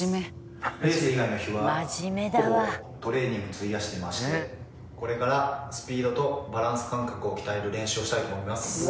レース以外の日はほぼトレーニングに費やしてましてこれからスピードとバランス感覚を鍛える練習をしたいと思います。